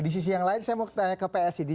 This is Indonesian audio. di sisi yang lain saya mau tanya ke psid